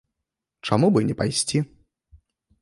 Чаму б і не пайсці?